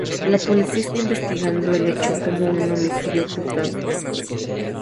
La policía está investigando el hecho como un homicidio frustrado.